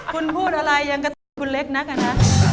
คุณพูดอะไรยังกระติกคุณเล็กนักอะนะ